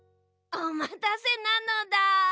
おまたせなのだ。